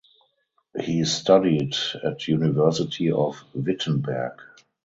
He studied at University of Wittenberg.